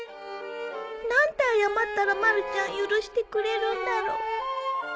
何て謝ったらまるちゃん許してくれるんだろう